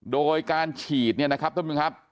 โดยการฉีดเนี่ยนะครับท่านผู้ชมครับ